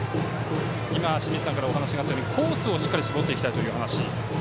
今、清水さんからお話があったようにコースをしっかり絞っていきたいという話。